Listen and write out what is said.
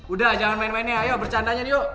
udah jangan main mainnya ayo bercandanya yuk